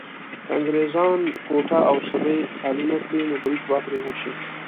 که انګريزان کوټه او سبۍ خالي نه کړي نو بريد به پرې وشي.